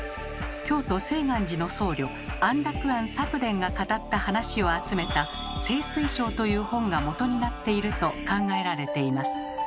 京都・誓願寺の僧侶安楽庵策伝が語った話を集めた「醒睡笑」という本が元になっていると考えられています。